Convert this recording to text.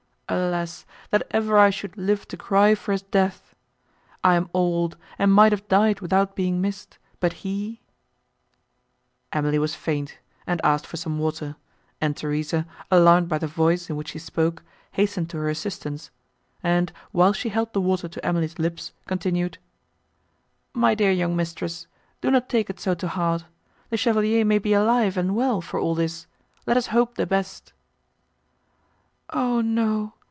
Alas! that ever I should live to cry for his death! I am old, and might have died without being missed, but he"—Emily was faint, and asked for some water, and Theresa, alarmed by the voice, in which she spoke, hastened to her assistance, and, while she held the water to Emily's lips, continued, "My dear young mistress, do not take it so to heart; the Chevalier may be alive and well, for all this; let us hope the best!" "O no!